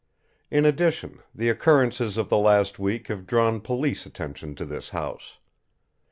In addition, the occurrences of the last week have drawn police attention to this house.